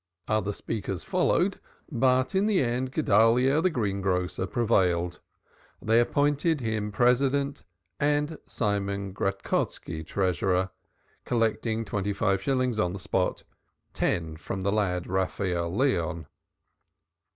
Other speakers followed but in the end Guedalyah the greengrocer prevailed. They appointed him President and Simon Gradkoski, Treasurer, collecting twenty five shillings on the spot, ten from the lad Raphael Leon.